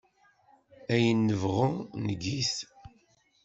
Ayen nebɣu neg-it.